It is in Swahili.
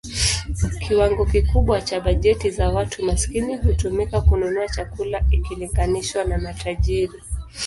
Kiwango kikubwa cha bajeti za watu maskini hutumika kununua chakula ikilinganishwa na matajiri.